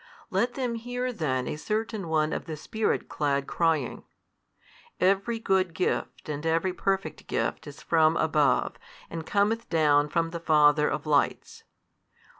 Let them hear then a certain one of the Spirit clad crying, Every good gift and every perfect gift is from, above, and cometh down from the Father of lights.